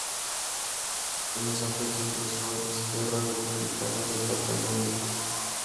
En esa fecha ingresó en Esquerra Republicana de Catalunya.